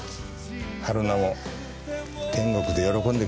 春菜も天国で喜んでくれてるよな。